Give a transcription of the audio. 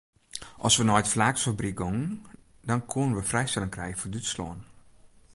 As we nei it flaaksfabryk gongen dan koenen we frijstelling krije foar Dútslân.